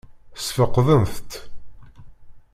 Ssfeqdent-tt?